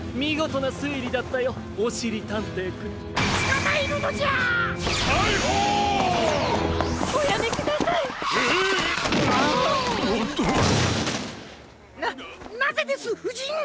なっなぜですふじん！？